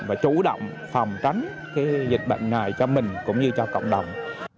và chủ động phòng tránh dịch bệnh này cho mình cũng như cho cộng đồng